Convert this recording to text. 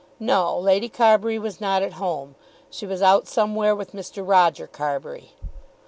No; Lady Carbury was not at home. She was out somewhere with Mr. Roger Carbury.